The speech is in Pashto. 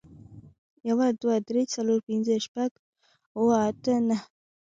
يو، دوه، درې، څلور، پينځه، شپږ، اووه، اته، نهه